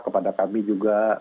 kepada kami juga